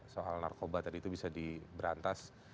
soal narkoba tadi itu bisa diberantas